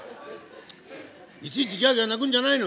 「いちいちギャギャ泣くんじゃないの！